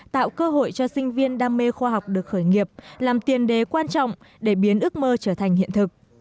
tạo cơ hội cho sinh viên đam mê khoa học được khởi nghiệp làm tiền đề quan trọng để biến ước mơ trở thành hiện thực